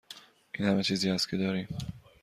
این همه چیزی است که داریم.